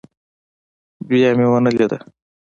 بيا مې ونه ليده.